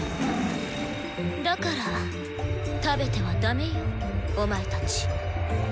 だから食べては駄目よお前たち。